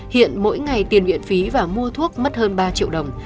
hiện mỗi ngày tiền viện phí và mua thuốc mất hơn ba triệu đồng